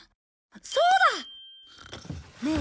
そうだ！ねえ。